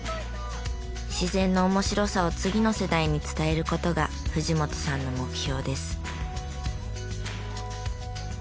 自然の面白さを次の世代に伝える事が藤本さんの目標です。